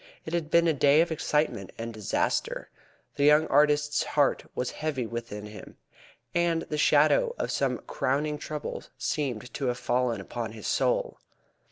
It had been a day of excitement and disaster. The young artist's heart was heavy within him, and the shadow of some crowning trouble seemed to have fallen upon his soul.